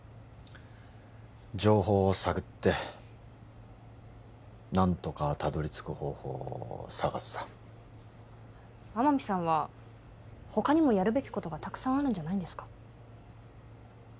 情報を探って何とかたどり着く方法を探すさ天海さんは他にもやるべきことがたくさんあるんじゃないんですか